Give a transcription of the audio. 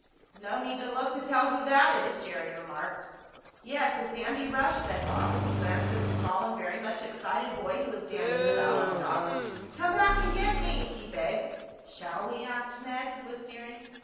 "No need to look to tell who that is," Jerry remarked. "Yes, it's Andy Rush," said Bob, as he glanced at a small and very much excited boy who was dancing about on the dock. "Come back and get me!" he begged. "Shall we?" asked Ned, who was steering.